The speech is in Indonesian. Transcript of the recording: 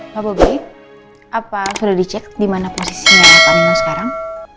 pak bobi apa sudah dicek di mana prosesnya pak nino sekarang